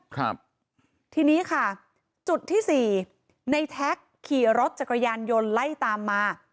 ครับทีนี้ค่ะจุดที่สี่ในแท็กขี่รถจักรยานยนต์ไล่ตามมา